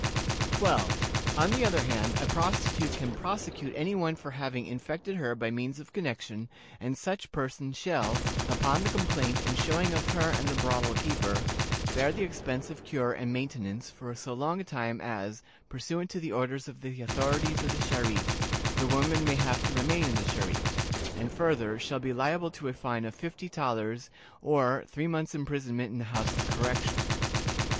"12. On the other hand, a prostitute can prosecute any one for having infected her by means of connection, and such person shall, upon the complaint and showing of her and the brothel keeper, bear the expense of cure and maintenance for so a long time as, pursuant to the orders of the authorities of the Charité, the woman may have to remain in the Charité; and further, shall be liable to a fine of fifty thalers, or three months' imprisonment in the House of Correction.